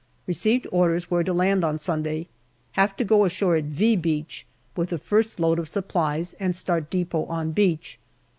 Received orders where to land on Sunday. Have to go ashore at "V" Beach with the first load of supplies and start depot on beach.